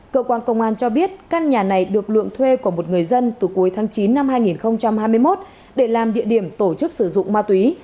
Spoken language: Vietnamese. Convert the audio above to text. cơ quan công an cho biết căn nhà này được lượng thuê của một người dân từ cuối tháng chín năm hai nghìn hai mươi một để làm địa điểm tổ chức sử dụng ma túy